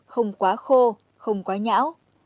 không quá khô không quá nhão